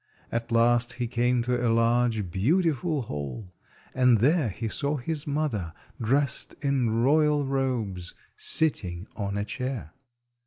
At last he came to a large beautiful hall, and there he saw his mother, dressed in royal robes, sitting on a chair.